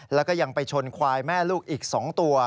แล้วก็ยังไปชนควายแม่ลูกอีก๒ตัว